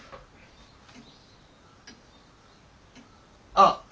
あっ！